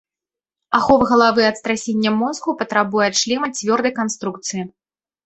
Ахова галавы ад страсення мозгу патрабуе ад шлема цвёрдай канструкцыі.